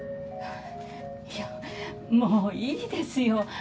いやもういいですよ